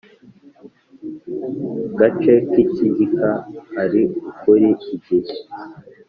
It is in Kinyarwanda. Gace k icyigika ari ukuri igihe